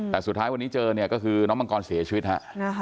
แต่สุดท้ายวันนี้เจอเนี่ยก็คือน้องมังกรเสียชีวิตฮะ